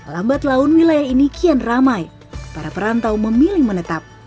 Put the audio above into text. lambat laun wilayah ini kian ramai para perantau memilih menetap